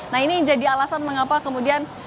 nah ini jadi alasan mengapa kemudian